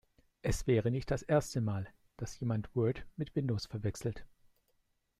Es wäre nicht das erste Mal, dass jemand Word mit Windows verwechselt.